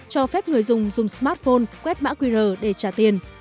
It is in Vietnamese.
cho phép người dùng dùng smartphone quét mã qr để trả tiền